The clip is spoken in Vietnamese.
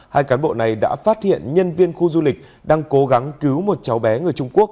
hai cán bộ này đã phát hiện nhân viên khu du lịch đang cố gắng cứu một cháu bé người trung quốc